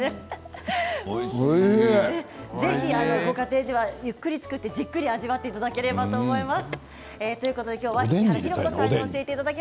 ご家庭ではゆっくり作ってじっくり味わっていただければと思います。